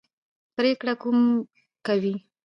پرېکړه کوم کوي.